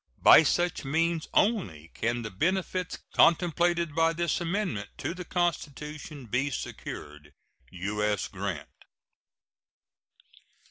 By such means only can the benefits contemplated by this amendment to the Constitution be secured. U.S. GRANT.